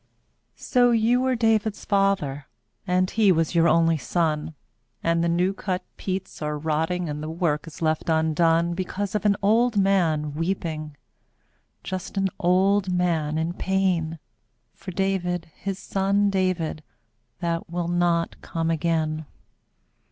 lO you were David's father, And he was your only son, And the new cut peats are rotting And the work is left undone. Because of an old man weeping, Just an old man in pain. For David, his son David, That will not come again.